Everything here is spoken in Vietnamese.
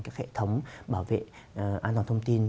các hệ thống bảo vệ an toàn thông tin